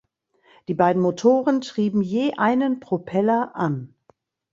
Die beiden Motoren trieben je einen Propeller an.